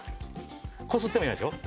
こすってもいないでしょ？